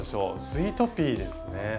「スイートピー」ですね。